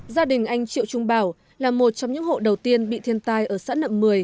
gia đình anh triệu trung bảo là một trong những hộ đầu tiên bị thiên tai ở sãn nậm một mươi